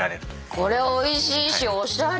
これおいしいしおしゃれ！